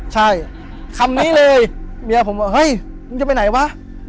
ใช่คำนี้เลยเมียผมว่าเฮ้ยมึงจะไปไหนวะ